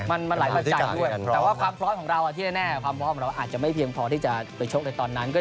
มันหลายประจายแต่ว่าความพร้อมเราอาจจะไม่เพียงพอที่จะไปชกเลยตอนนั้น